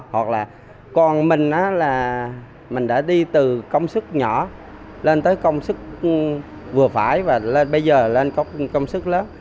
hoặc là còn mình là mình đã đi từ công sức nhỏ lên tới công sức vừa phải và lên bây giờ lên có công sức lớn